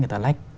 người ta lách